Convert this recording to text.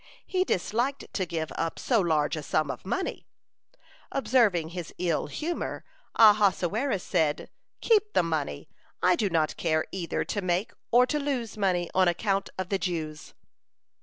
He disliked to give up so large a sum of money. Observing his ill humor, Ahasuerus said: "Keep the money; I do not care either to make or to lose money on account of the Jews."